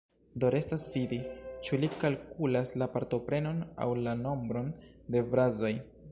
Do restas vidi, ĉu li kalkulas la partoprenon aŭ la nombron de frazoj.